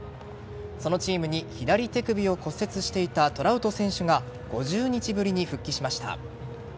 そのチームに左手首を骨折していたトラウト選手が５０日ぶりに復帰しました。